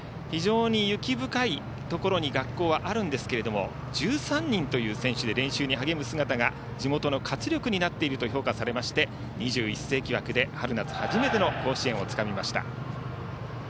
非常に雪深いところに学校はあるんですが１３人という選手で練習に励む姿が地元の活力になっていると評価されまして２１世紀枠で春夏初めての甲子園をつかみました。